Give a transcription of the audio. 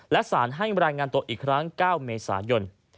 และสารให้รายงานตัวอีกครั้ง๙เมษายน